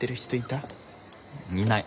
いない。